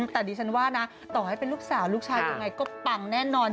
แต่ดิฉันว่านะต่อให้เป็นลูกสาวลูกชายยังไงก็ปังแน่นอน